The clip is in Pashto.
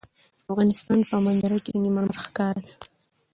د افغانستان په منظره کې سنگ مرمر ښکاره ده.